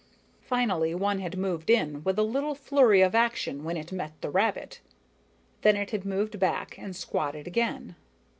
Finally, one had moved in, with a little flurry of action when it met the rabbit. Then it had moved back and squatted again.